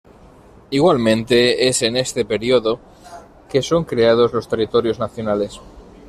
Igualmente es en este periodo que son creados los "territorios nacionales".